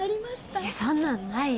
いやそんなのないよ。